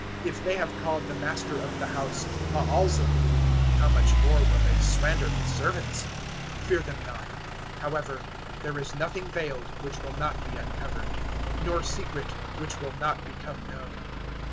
If they have called the master of the house Baal zebul, how much more will they slander his servants? 010:026 Fear them not, however; there is nothing veiled which will not be uncovered, nor secret which will not become known.